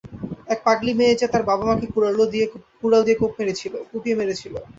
এক পাগলী মেয়ে যে তার বাবা-মাকে কুড়াল দিয়ে কুপিয়ে মেরেছিল।